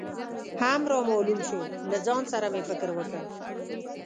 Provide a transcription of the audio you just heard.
هم رامعلوم شو، له ځان سره مې فکر وکړ.